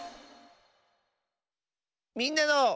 「みんなの」。